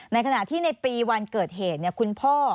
ในขณะที่ในปีวันเกิดเหตุคุณพ่อ